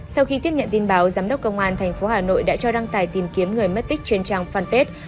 sau khi tiếp nhận tin báo giám đốc công an thành phố hà nội đã cho đăng tài tìm kiếm người mất tích trên trang fanpage